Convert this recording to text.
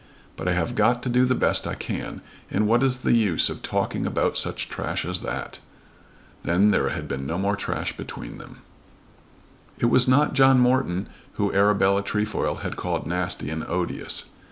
But I have got to do the best I can, and what is the use of talking about such trash as that?" Then there had been no more trash between them. It was not John Morton whom Arabella Trefoil had called nasty and odious.